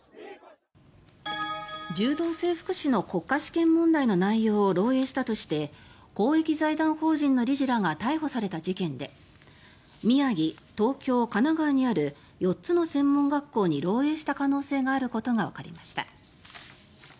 柔道整復師の国家試験問題の内容を漏えいしたとして公益財団法人の理事らが逮捕された事件で宮城、東京、神奈川にある４つの専門学校に漏えいした可能性があることがわかりました。